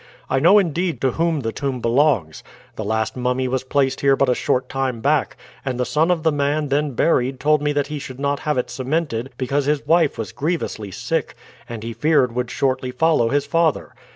I know indeed to whom the tomb belongs. The last mummy was placed here but a short time back; and the son of the man then buried told me that he should not have it cemented because his wife was grievously sick, and he feared would shortly follow his father.